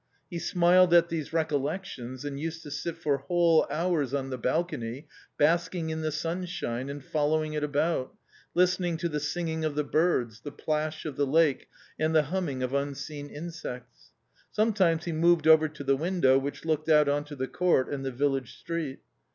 He smiled at these recollections, and used to sit for whole hours on the balcony basking in the sunshine and following it about, listening to the singing of the birds, the plash of the lake and the humming of unseen insects. Sometimes he moved over to the window which looked out on to the court and the village street.